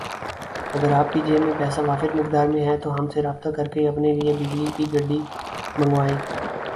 اگر آپ کی جیب میں پیسہ وافر مقدار میں ھے تو ہم سے رابطہ کرکے اپنی لئے بجلی کی گڈی منگوائیں